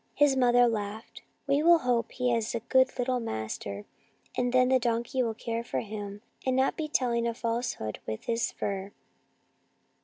His mother laughed. " We will hope he has a good little master, and then the donkey will care for him and not be telling a falsehood with his fur.